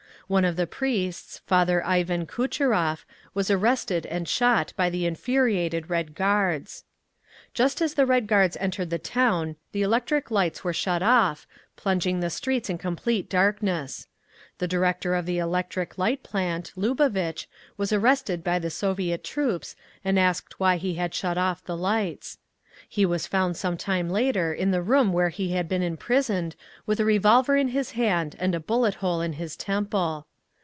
One of the priests, Father Ivan Kutchurov, was arrested and shot by the infuriated Red Guards…. Just as the Red Guards entered the town the electric lights were shut off, plunging the streets in complete darkness. The director of the electric light plant, Lubovitch, was arrested by the Soviet troops and asked why he had shut off the lights. He was found some time later in the room where he had been imprisoned with a revolver in his hand and a bullet hole in his temple.